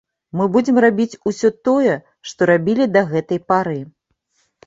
Мы будзем рабіць усё тое, што рабілі да гэтай пары.